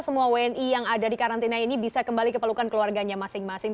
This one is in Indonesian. semua wni yang ada di karantina ini bisa kembali ke pelukan keluarganya masing masing